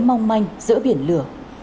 mong manh giữa biển lửa